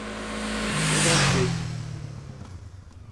Ne gont ket.